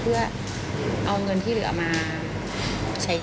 คือทางคู่กรณีไม่ชดใช้